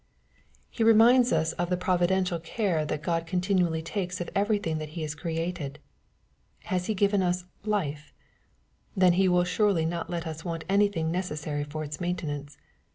He reminds us of the providential care that God con tinually takes of everything that He has created. Has He given us " life ?" Then He will suerly not let us want anything necessary for its maintenance.